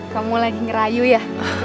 kamu lagi ngerayu ya